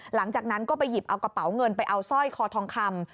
หลังจากนั้นก็ไปหยิบเอากระเป๋าเงินไปเอาสร้อยคอทองคำ